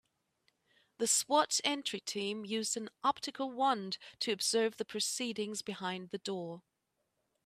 The S.W.A.T. entry team used an optical wand to observe the proceedings behind the door.